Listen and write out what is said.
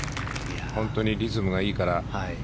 本当にリズムがいいから。